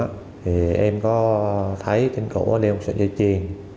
thì em có thấy tên cổ đeo một sợi dây chiên